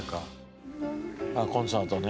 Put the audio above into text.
ああコンサートね。